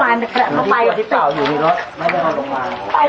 หายใจไปมีผีเปล่าอยู่ที่รถ